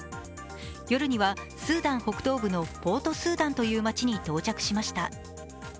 夜にはスーダン北東部のポートスーダンという街に到着しました。